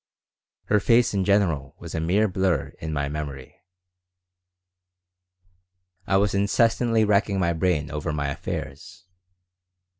Her face in general was a mere blur in my memory I was incessantly racking my brain over my affairs.